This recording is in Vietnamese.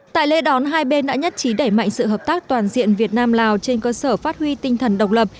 tại lễ đón hai bên đã nhất trí đẩy mạnh sự hợp tác toàn diện việt nam lào trên cơ sở phát huy tinh thần độc lập